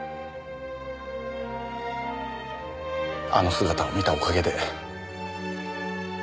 あの姿を見たおかげで。